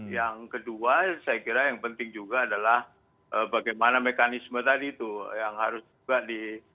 yang kedua saya kira yang penting juga adalah bagaimana mekanisme tadi itu yang harus juga di